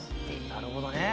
なるほどね。